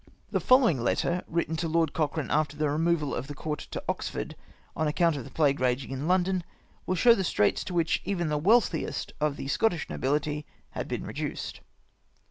The following letter, written to Lord Cochrane after the removal of the Court to Oxford on account of the plague raging in London, will show the straits to which even the wealthiest of the Scottish nobihty had been reduced.